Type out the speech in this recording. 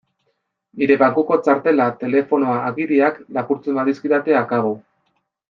Nire bankuko txartela, telefonoa, agiriak... lapurtzen badizkidate, akabo!